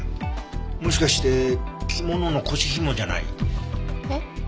もしかして着物の腰紐じゃない？えっ？